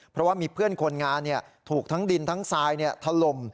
เพราะว่ามีเพื่อนคนงานถูกทั้งดินทั้งทรายถล่ม